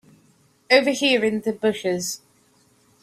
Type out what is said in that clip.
Over here in the bushes.